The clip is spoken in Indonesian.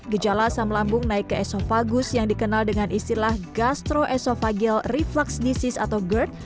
gejala asam lambung naik ke esofagus yang dikenal dengan istilah gastroesofagil reflux disease atau gerd